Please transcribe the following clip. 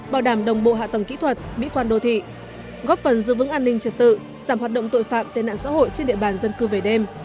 bảo đảm đồng bộ hạ tầng kỹ thuật mỹ quan đô thị góp phần giữ vững an ninh trật tự giảm hoạt động tội phạm tên nạn xã hội trên địa bàn dân cư về đêm